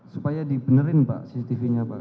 supaya dibenerin pak cctv nya pak